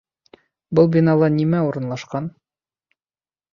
Был бинала нимә урынлашҡан?